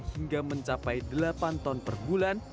hingga mencapai delapan ton per bulan